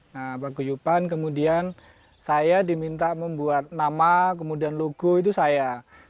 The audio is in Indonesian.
nah paguyupan kemudian saya diminta membuat nama kemudian logo itu saya